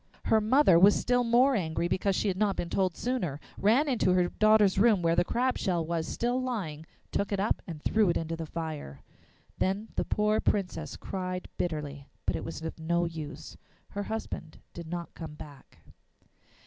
Her mother was still more angry because she had not been told sooner, ran into her daughter's room where the crab shell was still lying, took it up and threw it into the fire. Then the poor Princess cried bitterly, but it was of no use; her husband did not come back.